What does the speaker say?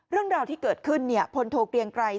เรื่องราวที่เกิดขึ้นพลโทเกลียงไกร